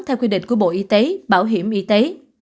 theo quy định của bộ y tế bảo hiểm y tế